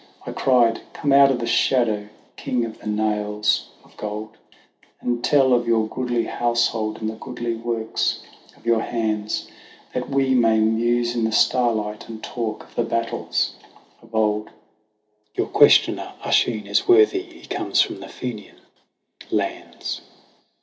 I cried, "Come out of the shadow, King of the nails of gold ! And tell of your goodly household and the goodly works of your hands, That we may muse in the starlight and talk of the battles of old ; THE WANDERINGS OF OISIN 129 Your questioner, Oisin, is worthy, he comes from the Fenian lands."